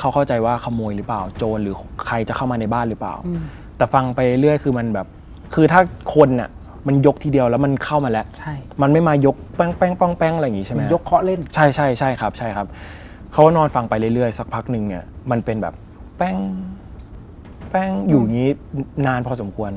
ความเชื่อร้อยเปอร์เซ็นต์